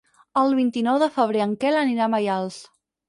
El vint-i-nou de febrer en Quel anirà a Maials.